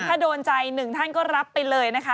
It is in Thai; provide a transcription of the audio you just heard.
ถ้าโดนใจหนึ่งท่านก็รับไปเลยนะคะ